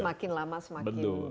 semakin lama semakin mahal